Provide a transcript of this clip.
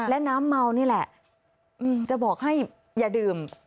และน้ำเมานี่แหละจะบอกให้อย่าดื่ม